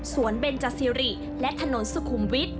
เบนจสิริและถนนสุขุมวิทย